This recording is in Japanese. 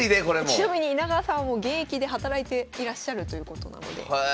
ちなみに伊奈川さん現役で働いていらっしゃるということなので。